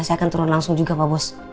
saya akan turun langsung juga pak bos